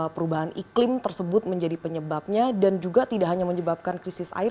perubahan iklim tersebut menjadi penyebabnya dan juga tidak hanya menyebabkan krisis air